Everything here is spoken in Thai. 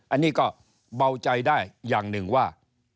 อันนี้ก็เบาใจได้อย่างหนึ่งว่า